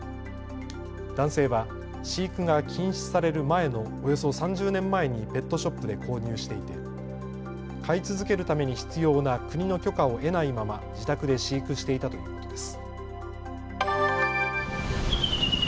男性は飼育が禁止される前のおよそ３０年前にペットショップで購入していて飼い続けるために必要な国の許可を得ないまま自宅で飼育していたということです。